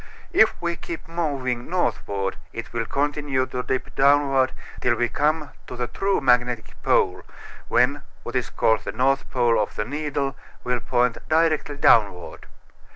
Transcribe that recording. If we keep moving northward it will continue to dip downward till we come to the true magnetic pole, when what is called the north pole of the needle will point directly downward.